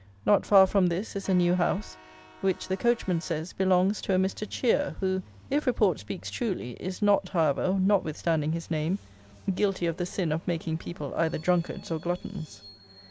Not far from this is a new house, which, the coachman says, belongs to a Mr. Cheer, who, if report speaks truly, is not, however, notwithstanding his name, guilty of the sin of making people either drunkards or gluttons.